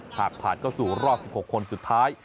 หากผ่านเข้าสู่รอบ๑๖คนสุดท้าย